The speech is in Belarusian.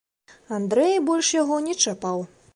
Андрэй больш яго не чапаў.